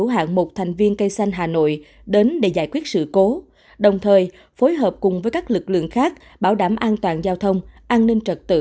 hãy đăng ký kênh để ủng hộ kênh của chúng mình nhé